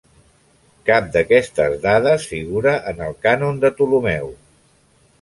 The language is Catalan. Cap d'aquestes dades figura en el Cànon de Ptolemeu.